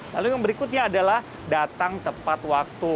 lalu yang berikutnya adalah datang tepat waktu